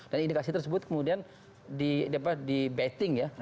dan indikasi tersebut kemudian dibetting ya